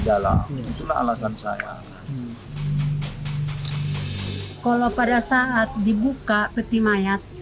kalau pada saat dibuka peti mayat